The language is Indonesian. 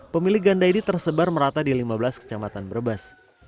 pemilih ganda ini tersebar merata di lima belas kecamatan brebes